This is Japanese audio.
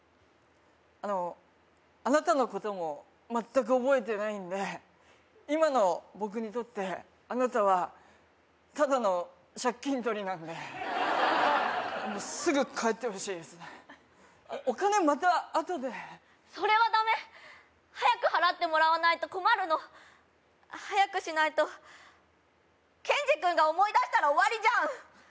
あのあなたのことも全く覚えてないんで今の僕にとってあなたはただの借金取りなんですぐ帰ってほしいですねお金またあとでそれはダメ早く払ってもらわないと困るの早くしないとケンジ君が思い出したら終わりじゃん